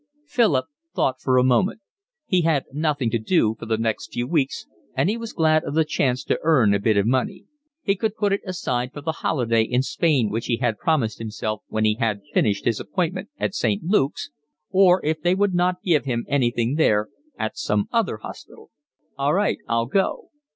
Philip thought for a moment. He had nothing to do for the next few weeks, and he was glad of the chance to earn a bit of money. He could put it aside for the holiday in Spain which he had promised himself when he had finished his appointment at St. Luke's or, if they would not give him anything there, at some other hospital. "All right. I'll go."